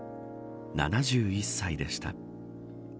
７１歳でした。